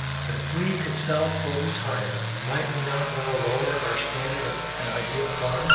But if we could sell produce higher, might we not well lower our standard of an ideal farm?